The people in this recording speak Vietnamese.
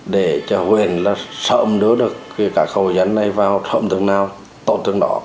để cho huyền sợ ấm đưa được cái khẩu vấn này vào sợ ấm tương lao tổn tương đỏ